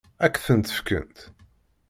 Ad k-ten-fkent?